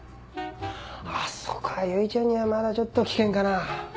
あそこは結ちゃんにはまだちょっと危険かな。